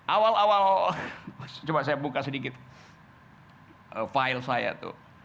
awal awal coba saya buka sedikit file saya tuh